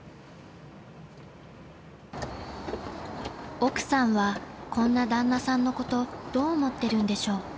［奥さんはこんな旦那さんのことどう思ってるんでしょう？］